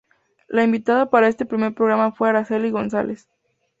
La invitada para este primer programa fue Araceli González.